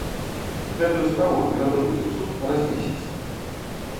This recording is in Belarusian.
Гэтую справу перададуць у суд праз месяц.